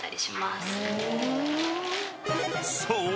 ［そう。